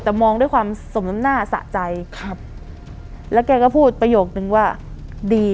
แต่มองด้วยความสมน้ำหน้าสะใจครับแล้วแกก็พูดประโยคนึงว่าดี